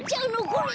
これ。